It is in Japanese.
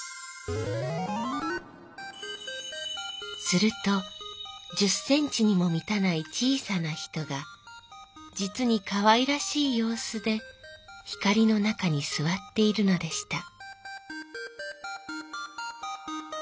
「すると１０ｃｍにもみたない小さな人がじつにかわいらしい様子で光の中にすわっているのでした」。